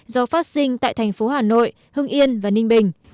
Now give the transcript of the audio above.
do phát sinh tại thành phố hà nội hưng yên và ninh bình